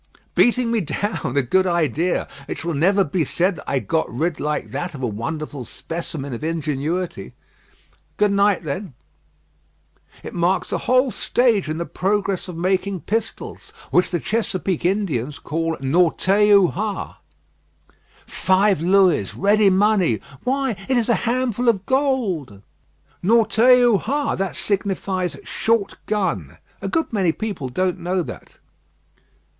"Beating me down! a good idea! It shall never be said that I got rid like that of a wonderful specimen of ingenuity." "Good night, then." "It marks a whole stage in the progress of making pistols, which the Chesapeake Indians call Nortay u Hah." "Five Louis, ready money. Why, it is a handful of gold." "'Nortay u Hah,' that signifies 'short gun.' A good many people don't know that."